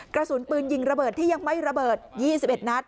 กระสุนปืนยิงระเบิดที่ยังไม่ระเบิด๒๑นัด